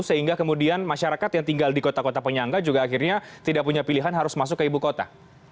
sehingga kemudian masyarakat yang tinggal di kota kota penyangga juga akhirnya tidak punya pilihan harus masuk ke ibu kota